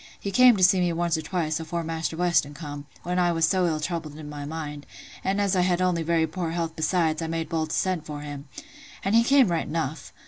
He came to see me once or twice, afore Maister Weston come, when I was so ill troubled in my mind; and as I had only very poor health besides, I made bold to send for him—and he came right enough.